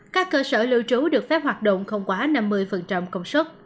các cơ sở lưu trú được phép hoạt động không quá năm mươi công suất